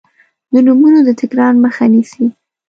د نومونو د تکرار مخه نیسي.